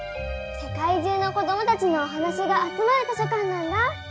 せかい中のこどもたちのおはなしがあつまる図書かんなんだ。